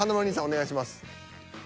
お願いします。